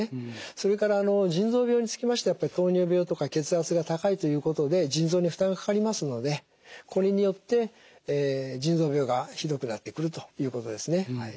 それから腎臓病につきましては糖尿病とか血圧が高いということで腎臓に負担がかかりますのでこれによって腎臓病がひどくなってくるということですね。